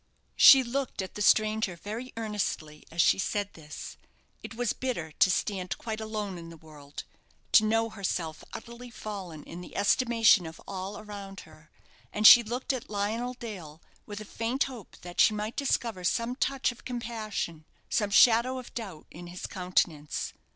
She looked at the stranger very earnestly as she said this. It was bitter to stand quite alone in the world; to know herself utterly fallen in the estimation of all around her; and she looked at Lionel Dale with a faint hope that she might discover some touch of compassion, some shadow of doubt in his countenance.